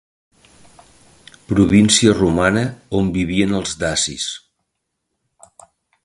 Província romana on vivien els dacis.